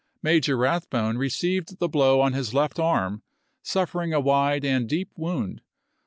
Major Rathbone received the blow on his left arm, suffer ing a wide and deep wound.